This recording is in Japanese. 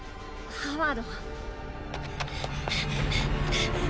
ハワード！